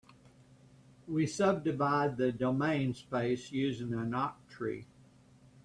We subdivide the domain space using an octree.